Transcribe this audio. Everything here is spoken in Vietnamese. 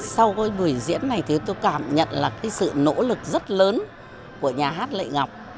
sau cái buổi diễn này thì tôi cảm nhận là cái sự nỗ lực rất lớn của nhà hát lệ ngọc